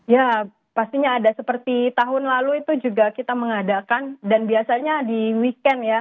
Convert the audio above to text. ya pastinya ada seperti tahun lalu itu juga kita mengadakan dan biasanya di weekend ya